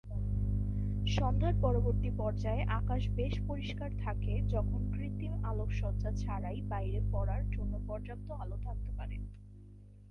সন্ধ্যার মধ্যবর্তী পর্যায়ে আকাশ বেশ পরিষ্কার থাকে যখন কৃত্রিম আলোকসজ্জা ছাড়াই বাইরে পড়ার জন্য পর্যাপ্ত আলো থাকতে পারে।